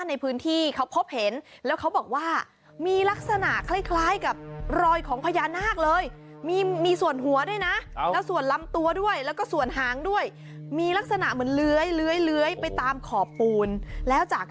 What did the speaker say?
รวมความยาวของรอยประหลาดเนี่ยวัดได้เนี่ย๑๕เมตร